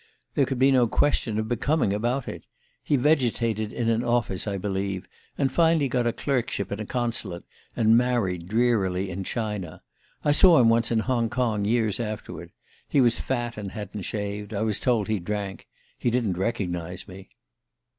There could be no question of 'becoming' about it. He vegetated in an office, I believe, and finally got a clerkship in a consulate, and married drearily in China. I saw him once in Hong Kong, years afterward. He was fat and hadn't shaved. I was told he drank. He didn't recognize me."